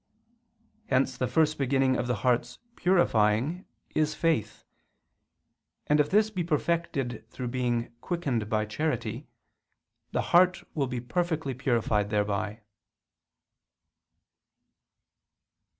Hence the first beginning of the heart's purifying is faith; and if this be perfected through being quickened by charity, the heart will be perfectly purified thereby.